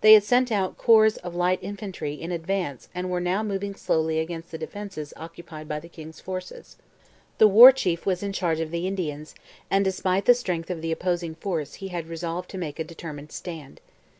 They had sent out corps of light infantry in advance and were now moving slowly against the defences occupied by the king's forces. The War Chief was in charge of the Indians, and despite the strength of the opposing force he had resolved to make a determined stand.